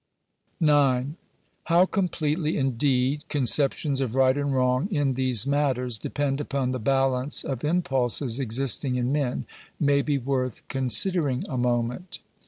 §9. How completely, indeed, conceptions of right and wrong in these matters depend upon the balance of impulses existing in men, may be worth considering a moment.